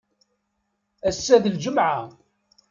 Assa d lǧemεa.